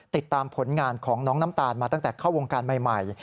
ติดตามผลงานของน้องน้ำตาลมาตั้งแต่เข้าวงการใหม่